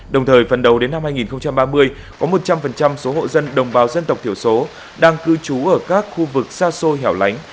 đồng thời phần đầu đến năm hai nghìn ba mươi có một trăm linh số hộ dân đồng bào dân tộc thiểu số đang cư trú ở các khu vực xa xôi hẻo lánh